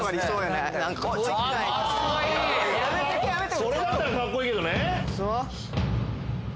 それだったらカッコいいけどね。